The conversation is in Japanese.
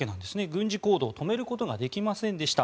軍事行動を止めることができませんでした。